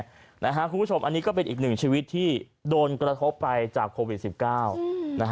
คุณผู้ชมอันนี้ก็เป็นอีกหนึ่งชีวิตที่โดนกระทบไปจากโควิด๑๙